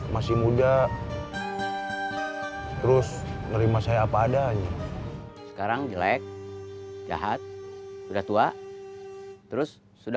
masih muda terus menerima saya apa adanya sekarang jelek jahat udah tua terus sudah